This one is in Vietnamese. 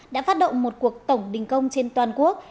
đã phát động một cuộc tổng đình công trên toàn quốc